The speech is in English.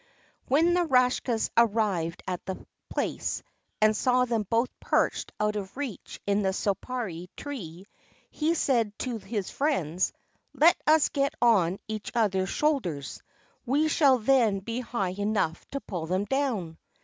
When the Rakshas arrived at the place and saw them both perched out of reach in the soparee tree, he said to his friends: "Let us get on each other's shoulders; we shall then be high enough to pull them down."